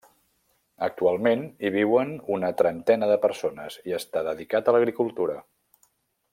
Actualment hi viuen una trentena de persones i està dedicat a l'agricultura.